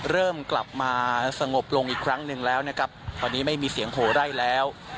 เริ่มกลับมาสงบลงอีกครั้งหนึ่งแล้วนะครับตอนนี้ไม่มีเสียงโหไล่แล้ว